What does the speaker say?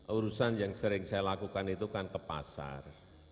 urusan yang sering saya lakukan itu kan ke pasar